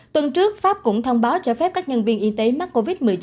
tuần trước pháp cũng thông báo cho phép các nhân viên y tế mắc covid một mươi chín